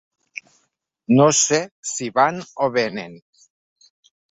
No sé si van o vénen.